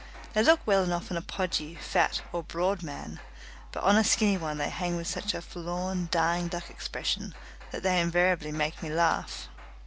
They look well enough on a podgy, fat, or broad man, but on a skinny one they hang with such a forlorn, dying duck expression, that they invariably make me laugh.